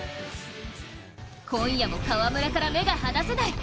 今夜も河村から目が離せない。